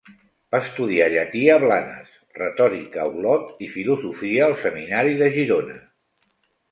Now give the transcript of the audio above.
Va estudiar llatí a Blanes, retòrica a Olot i filosofia al seminari de Girona.